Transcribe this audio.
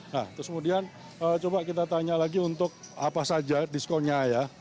nah terus kemudian coba kita tanya lagi untuk apa saja diskonnya ya